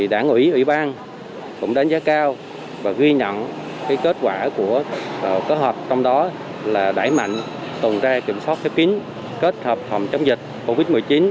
đảng ủy ủy ban cũng đánh giá cao và ghi nhận kết quả của kết hợp trong đó là đẩy mạnh tuần tra kiểm soát khép kín kết hợp phòng chống dịch covid một mươi chín